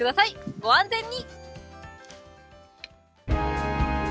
ご安全に。